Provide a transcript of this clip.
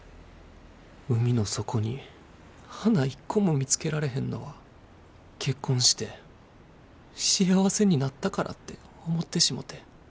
海の底に花一個も見つけられへんのは結婚して幸せになったからって思ってしもて。